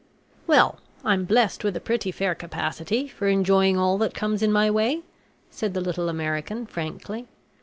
"Well, I'm blessed with a pretty fair capacity for enjoying all that comes in my way," said the little American, frankly.